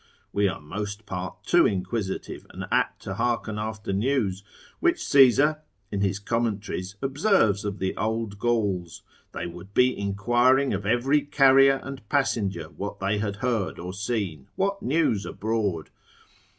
We are most part too inquisitive and apt to hearken after news, which Caesar, in his Commentaries, observes of the old Gauls, they would be inquiring of every carrier and passenger what they had heard or seen, what news abroad?